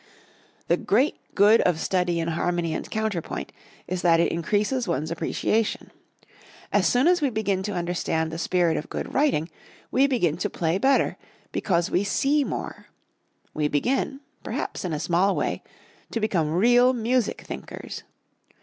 The great good of study in harmony and counterpoint is that it increases one's appreciation. As soon as we begin to understand the spirit of good writing we begin to play better, because we see more. We begin, perhaps in a small way, to become real music thinkers.